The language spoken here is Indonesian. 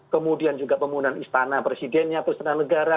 kemudian juga pembangunan istana presidennya perusahaan negara